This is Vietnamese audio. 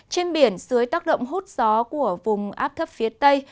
trên biển dưới tác động hút gió của vùng áp thấp phía tây